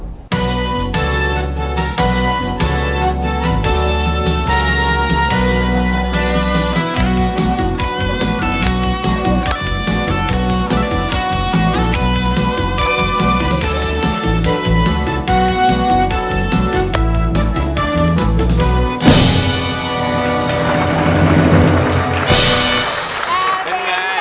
มันเป็นเพลงอะไรเลย